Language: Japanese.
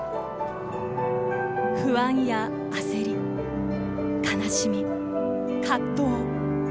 不安や焦り、悲しみ、葛藤。